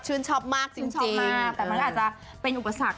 ชอบมากชื่นชอบมากแต่มันก็อาจจะเป็นอุปสรรค